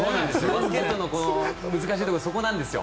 バスケットの難しいところはそこなんですよ。